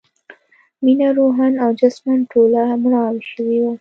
مينه روحاً او جسماً ټوله مړاوې شوې وه